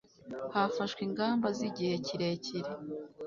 hafashwe ingamba z igihe kirekire